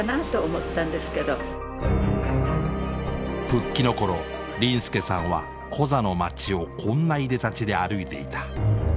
復帰の頃林助さんはコザの街をこんないでたちで歩いていた。